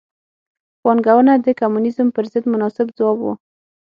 پانګونه د کمونیزم پر ضد مناسب ځواب و.